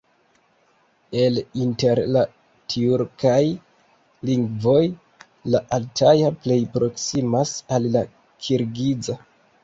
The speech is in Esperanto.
El inter la tjurkaj lingvoj la altaja plej proksimas al la kirgiza.